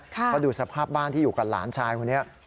เพราะดูสภาพบ้านที่อยู่กับหลานชายคนนี้